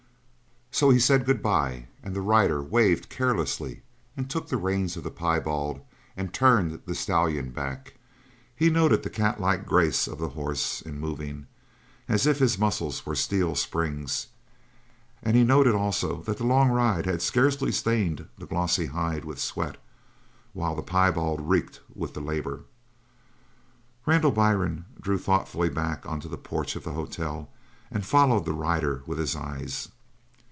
So he said good bye, and the rider waved carelessly and took the reins of the piebald and turned the stallion back. He noted the catlike grace of the horse in moving, as if his muscles were steel springs; and he noted also that the long ride had scarcely stained the glossy hide with sweat while the piebald reeked with the labour. Randall Byrne drew thoughtfully back onto the porch of the hotel and followed the rider with his eyes.